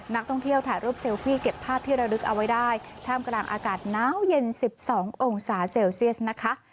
นักท่องเที่ยวถ่ายรูปเซลฟี่เก็บภาพที่ระลึกเอาไว้ได้ท่ามกลางอากาศน้าวเย็น๑๒องศาเซลเซียสนะคะ